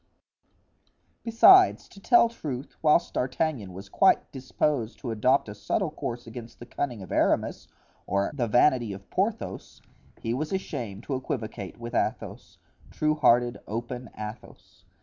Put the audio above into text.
Besides, to tell truth, whilst D'Artagnan was quite disposed to adopt a subtle course against the cunning of Aramis or the vanity of Porthos, he was ashamed to equivocate with Athos, true hearted, open Athos.